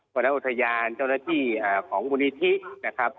วรรณอุทยานเจ้าหน้าที่ของมูลนิธินะครับ